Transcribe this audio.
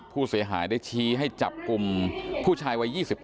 ผู้เสียหายได้ชี้ให้จับกลุ่มผู้ชายวัย๒๙